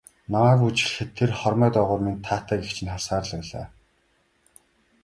Намайг бүжиглэхэд тэр хормой доогуур минь таатай гэгч нь харсаар л байлаа.